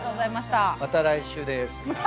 また来週です。